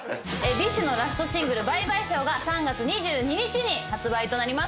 ＢｉＳＨのラストシングル『Ｂｙｅ−ＢｙｅＳｈｏｗ』が３月２２日に発売となります。